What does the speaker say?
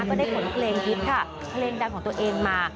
ก็ได้ขนเพลงฮิตค่ะเพลงดังของตัวเองมา